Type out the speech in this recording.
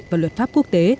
và luật pháp quốc tế